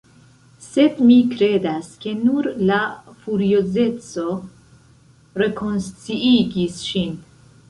Sed mi kredas, ke nur la furiozeco rekonsciigis ŝin.